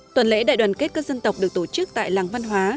tuần lễ đại đoàn kết các dân tộc được tổ chức tại làng văn hóa